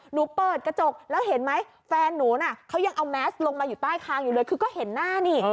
เปิดกระจกแล้วเห็นไหมแฟนหนูน่ะเขายังเอาแมสลงมาอยู่ใต้คางอยู่เลยคือก็เห็นหน้านี่